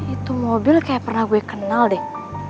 itu mobil kayak pernah gue kenal deh